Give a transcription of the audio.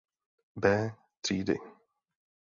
B třídy.